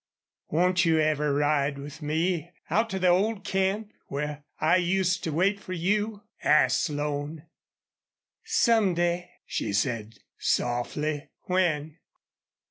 "Won't you ever ride with me, out to the old camp, where I used to wait for you?" asked Slone. "Some day," she said, softly. "When?"